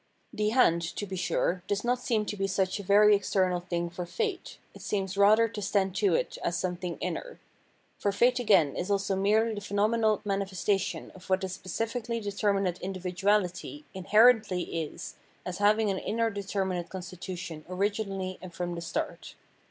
The hand, to be sure, does not seem to be such a very external thing for fate ; it seems rather to stand to it as something inner. For fate again is also merely the phenomenal manifestation of what the specifically determinate individuahty inherently is as having an inner determinate constitution originally and from the start.